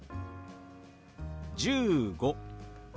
１５。